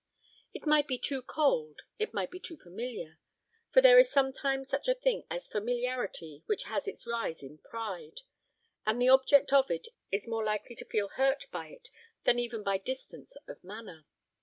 It might be too cold, it might be too familiar; for there is sometimes such a thing as familiarity which has its rise in pride, and the object of it is more likely to feel hurt by it than even by distance of manner.